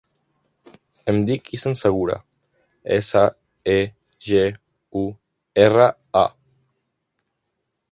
Em dic Izan Segura: essa, e, ge, u, erra, a.